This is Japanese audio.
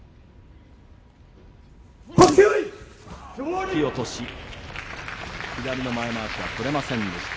引き落とし左の前まわしは取れませんでした。